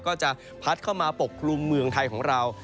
ก็จะพัดเข้ามาปกคลุมเมืองไทยของเรา